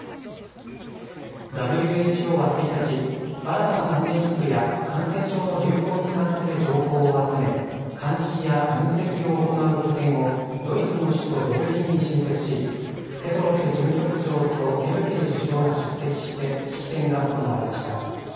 ＷＨＯは１日、新たなパンデミックや感染症の流行に関する情報を集め監視や分析を行う拠点をドイツの首都ベルリンに新設し、テドロス事務局長とメルケル首相が出席して式典が行われました。